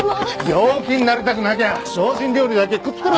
病気になりたくなきゃ精進料理だけ食ってろ！